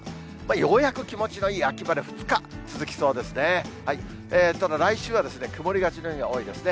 ようやく気持ちのいい秋晴れ、２日、続きそうですね。